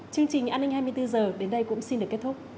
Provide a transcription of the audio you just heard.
chương trình an ninh hai mươi bốn h đến đây cũng xin được kết thúc